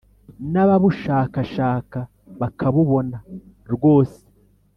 n’ababushakashaka bakabubona rwose,